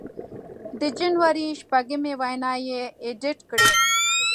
د جنوري شپږمې وینا یې اېډېټ کړې